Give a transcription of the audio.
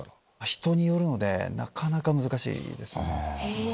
人によるのでなかなか難しいですね。